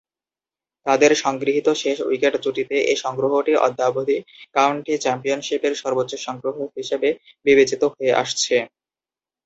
তাদের সংগৃহীত শেষ উইকেট জুটিতে এ সংগ্রহটি অদ্যাবধি কাউন্টি চ্যাম্পিয়নশীপের সর্বোচ্চ সংগ্রহ হিসেবে বিবেচিত হয়ে আসছে।